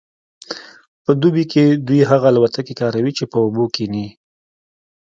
په دوبي کې دوی هغه الوتکې کاروي چې په اوبو کیښني